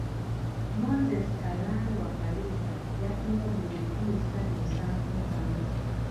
Moses Karangwa Kalisa yafunye obululu enkumi ssatu lusanvu mu kamu.